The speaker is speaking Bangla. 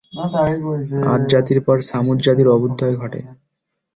আদ জাতির পর ছামূদ জাতির অভ্যুদয় ঘটে।